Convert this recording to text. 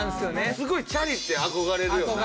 すごいチャリって憧れるよな。